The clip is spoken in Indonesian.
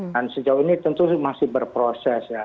dan sejauh ini tentu masih berproses ya